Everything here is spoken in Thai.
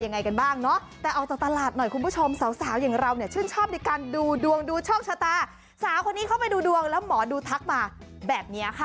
ยังไงกันบ้างเนาะแต่ออกจากตลาดหน่อยคุณผู้ชมสาวอย่างเราเนี่ยชื่นชอบในการดูดวงดูโชคชะตาสาวคนนี้เข้าไปดูดวงแล้วหมอดูทักมาแบบนี้ค่ะ